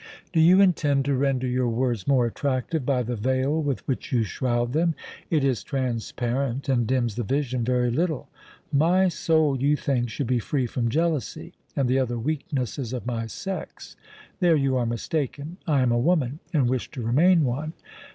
"Do you intend to render your words more attractive by the veil with which you shroud them? It is transparent, and dims the vision very little. My soul, you think, should be free from jealousy and the other weaknesses of my sex. There you are mistaken. I am a woman, and wish to remain one.